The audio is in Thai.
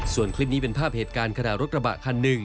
ส่วนคลิปนี้เป็นภาพเหตุการณ์ขณะรถกระบะคันหนึ่ง